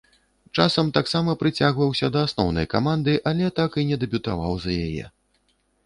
Часам таксама прыцягваўся да асноўнай каманды, але так і не дэбютаваў за яе.